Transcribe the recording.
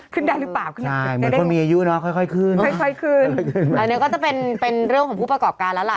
เขาจะได้แบบขึ้นได้หรือเปล่า